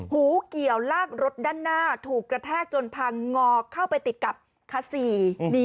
หูเกี่ยวลากรถด้านหน้าถูกกระแทกจนพังงอเข้าไปติดกับคาซี